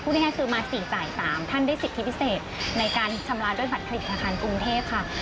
ง่ายคือมา๔จ่าย๓ท่านได้สิทธิพิเศษในการชำระด้วยบัตรผลิตธนาคารกรุงเทพค่ะ